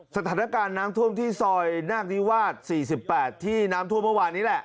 สถานการณ์น้ำท่วมที่ซอยนาคนิวาส๔๘ที่น้ำท่วมเมื่อวานนี้แหละ